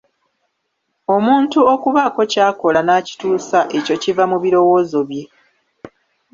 Omuntu okubaako ky'akola n'akituusa, ekyo kiva mu birowoozo bye.